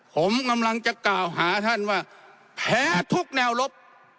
ผมกำลังจะกล่าวหาท่านว่าแพ้ทุกแนวลบ